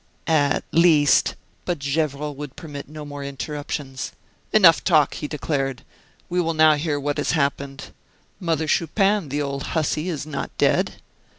"At least " But Gevrol would permit no more interruptions. "Enough talk," he declared. "We will now hear what has happened. Mother Chupin, the old hussy, is not dead!"